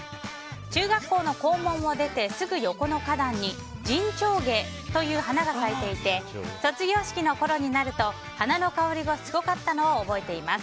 中学校の校門を出てすぐ横の花壇にジンチョウゲという花が咲いていて卒業式のころになると花の香りがすごかったのを覚えています。